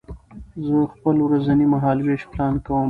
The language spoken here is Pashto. زه خپل ورځنی مهالوېش پلان کوم.